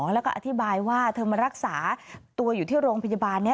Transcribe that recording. แล้วก็อธิบายว่าเธอมารักษาตัวอยู่ที่โรงพยาบาลนี้